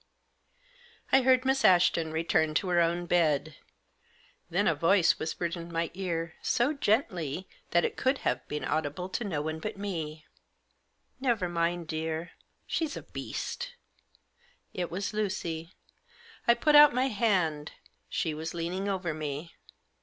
I heard Miss Ashton return to her own bed. Then a voice whispered in my ear, so gently that it could have been audible to no one but me —" Never mind, dear. She's a beast I " It was Lucy. I put out my hand. She was leaning over me.